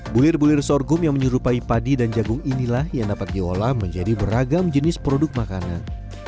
bulir bulir sorghum yang menyerupai padi dan jagung inilah yang dapat diolah menjadi beragam jenis produk makanan